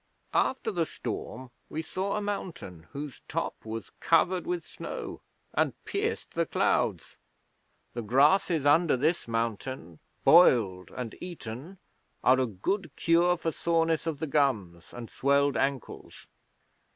'After the storm we saw a mountain whose top was covered with snow and pierced the clouds. The grasses under this mountain, boiled and eaten, are a good cure for soreness of the gums and swelled ankles.